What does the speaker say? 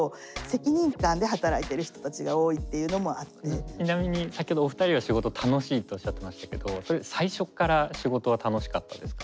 そうだから割とちなみに先ほどお二人が「仕事楽しい」っておっしゃってましたけどそれ僕は最初から楽しかったですね。